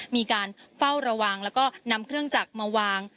มีการเฝ้าระวังแล้วก็นำเครื่องจักรมาวาง